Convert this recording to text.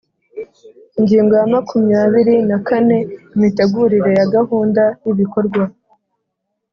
Ingingo ya makumyabiri na kane: Imitegurire ya gahunda y’ibikorwa